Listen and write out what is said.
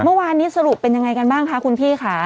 เมื่อวานนี้สรุปเป็นยังไงกันบ้างคะคุณพี่ค่ะ